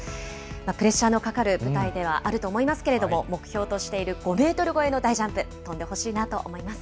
プレッシャーのかかる舞台ではあると思いますけれども、目標としている５メートル超えの大ジャンプ、跳んでほしいなと思います。